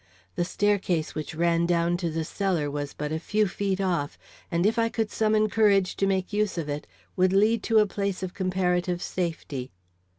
The staircase which ran down to the cellar was but a few feet off, and if I could summon courage to make use of it, would lead to a place of comparative safety.